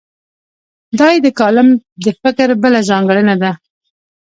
دا یې د کالم د فکر بله ځانګړنه ده.